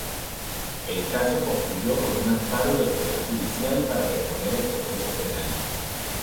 El caso concluyó con un amparo del Poder Judicial para reponer el proceso penal.